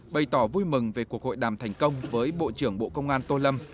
bày tỏ vui mừng về cuộc hội đàm thành công với bộ trưởng bộ công an tô lâm